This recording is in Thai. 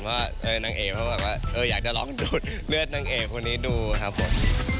ว่านางเอกเขาแบบว่าอยากจะลองดูดเลือดนางเอกคนนี้ดูครับผม